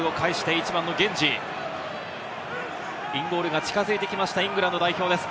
インゴールが近づいてきました、イングランド代表です。